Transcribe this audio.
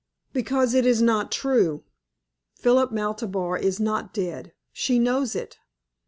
"Because it is not true. Philip Maltabar is not dead. She knows it."